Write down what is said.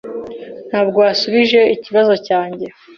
Ntabwo wasubije ikibazo cyanjye.